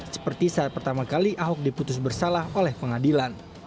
seperti saat pertama kali ahok diputus bersalah oleh pengadilan